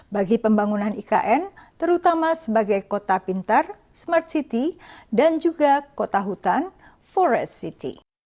bagi pembangunan ikn terutama sebagai kota pintar smart city dan juga kota hutan forest city